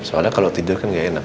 soalnya kalau tidur kan nggak enak